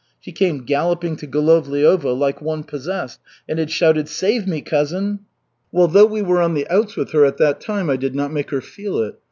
She came galloping to Golovliovo like one possessed and had shouted "Save me, cousin!" "Well, though we were on the outs with her at that time, I did not make her feel it.